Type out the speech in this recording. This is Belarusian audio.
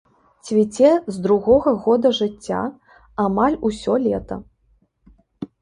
Цвіце з другога года жыцця амаль усё лета.